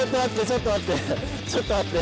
ちょっと待ってちょっと待って。